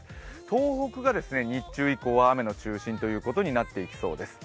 東北が日中以降、雨の中心ということになってきそうです。